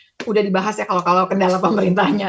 sudah dibahas ya kalau kendala pemerintahnya